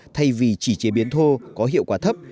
thay vì chỉ chế biến thô có hiệu quả thấp